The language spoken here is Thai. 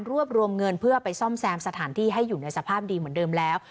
รวมเงินเพื่อไปซ่อมแซมสถานที่ให้อยู่ในสภาพดีเหมือนเดิมแล้ว